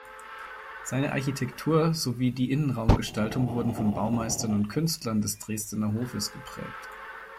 Seine Architektur sowie die Innenraumgestaltung wurden von Baumeistern und Künstlern des Dresdener Hofes geprägt.